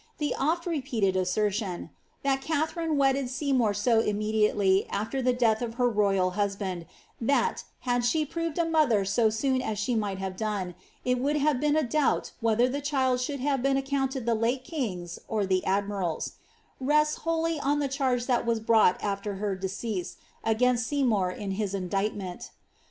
TbeoA repeated assertion, that ^Katharine wedded Seymour so immediately after the death of her royal husband, that, had she proved a mother an soon as she might have done, it would have been a doubt whether the child should have been accounted the late king's or the admiraiV' rests wholly on the charge that was brought after her decease, against Seymour in his indictment.